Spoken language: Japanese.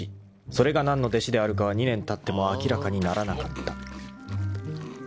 それが何の弟子であるかは２年たっても明らかにならなかった］